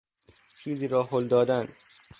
چیزی را هل دادن